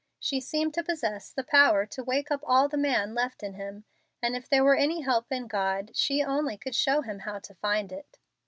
She seemed to possess the power to wake up all the man left in him, and if there were any help in God, she only could show him how to find it.